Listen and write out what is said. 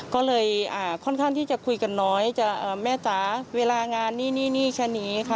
ก็เลยค่อนข้างที่จะคุยกันน้อยจะแม่จ๋าเวลางานนี่แค่นี้ค่ะ